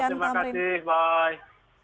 ya insya allah terima kasih bye